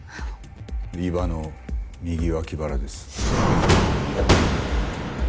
伊庭の右脇腹です。